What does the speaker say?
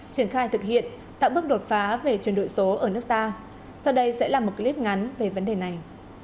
triển khai thực hiện tạo bước đột phá về chuyển đổi số ở nước ta sau đây sẽ là một clip ngắn về vấn đề này